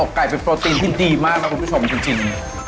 ไก่เป็นโปรตีนที่ดีมากนะคุณผู้ชมจริง